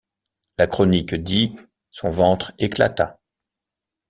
La chronique dit: « Son ventre éclata.